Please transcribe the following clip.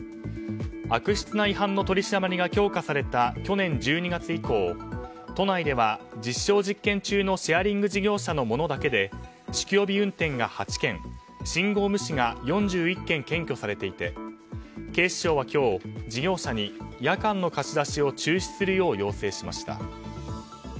悪質な違反の取り締まりが強化された去年１２月以降都内では実証実験中のシェアリング事業者のものだけで酒気帯び運転が８件信号無視が４１件検挙されていて警視庁は今日、事業者に夜間の貸し出しを中止するよう要請しました。